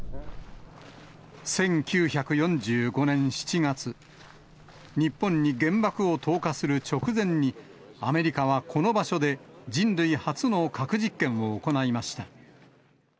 １９４５年７月、日本に原爆を投下する直前に、アメリカはこの場所で人類初の核実験を行いました。